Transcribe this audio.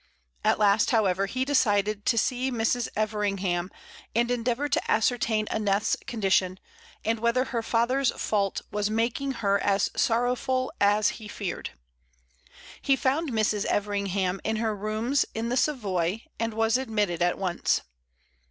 At last, however, he decided to see Mrs. Everingham and endeavor to ascertain Aneth's condition, and whether her father's fault was making her as sorrowful as he feared. He found Mrs. Everingham at her rooms in the Savoy, and was admitted at once.